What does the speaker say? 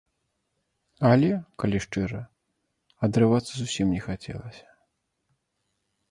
Але, калі шчыра, адрывацца зусім не хацелася.